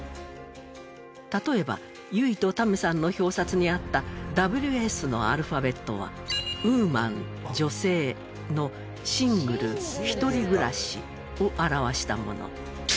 例えば由依とタメさんの表札にあった「ＷＳ」のアルファベットは「Ｗｏｍａｎ女性」の「Ｓｉｎｇｌｅ一人暮らし」を表したもの。